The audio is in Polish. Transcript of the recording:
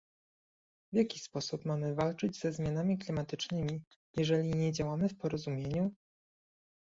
W jaki sposób mamy walczyć ze zmianami klimatycznymi, jeśli nie działamy w porozumieniu?